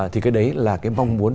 thì cái đấy là cái mong muốn